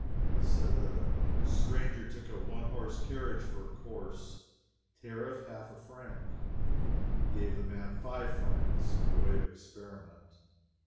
It is said that a stranger took a one horse carriage for a course tariff, half a franc. He gave the man five francs, by way of experiment.